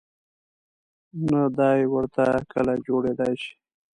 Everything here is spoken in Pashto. نه دای ورته کله جوړېدای شي.